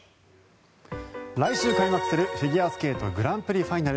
来週開幕するフィギュアスケートグランプリファイナル。